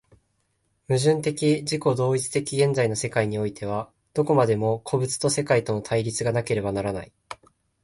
矛盾的自己同一的現在の世界においては、どこまでも個物と世界との対立がなければならない。